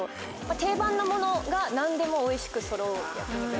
定番のものが何でもおいしくそろう焼き肉屋さん。